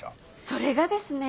それがですね。